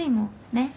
ねっ？